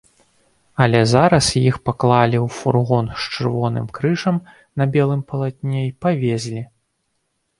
Але зараз іх паклалі ў фургон з чырвоным крыжам на белым палатне і павезлі.